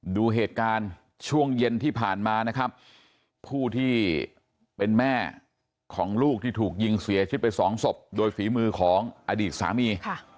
ดูเหตุการณ์ช่วงเย็นที่ผ่านมานะครับผู้ที่เป็นแม่ของลูกที่ถูกยิงเสียชีวิตไปสองศพโดยฝีมือของอดีตสามี